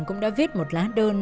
cũng đã viết một lá đơn